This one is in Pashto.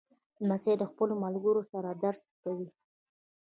لمسی له خپلو ملګرو سره درس کوي.